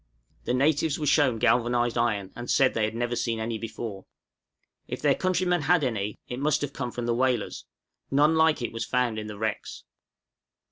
The natives were shown galvanized iron, and said they had never seen any before; if their countrymen had any, it must have come from the whalers; none like it was found in the wrecks.